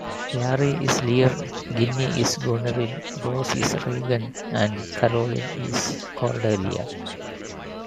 Larry is Lear, Ginny is Goneril, Rose is Regan, and Caroline is Cordelia.